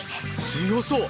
強そう。